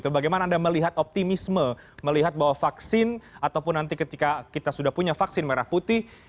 bagaimana anda melihat optimisme melihat bahwa vaksin ataupun nanti ketika kita sudah punya vaksin merah putih